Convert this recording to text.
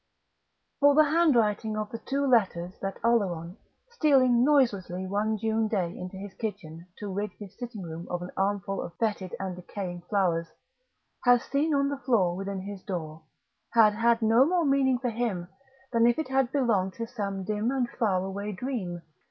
For the handwriting of the two letters that Oleron, stealing noiselessly one June day into his kitchen to rid his sitting room of an armful of fetid and decaying flowers, had seen on the floor within his door, had had no more meaning for him than if it had belonged to some dim and faraway dream.